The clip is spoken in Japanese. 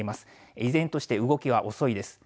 依然として動きは遅いです。